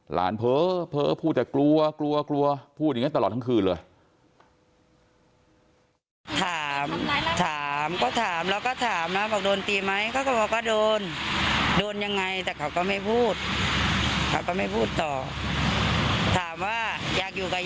หลานเผ้อเผ้อพูดแต่กลัวกลัวกลัวพูดอย่างนั้นตลอดทั้งคืนเลย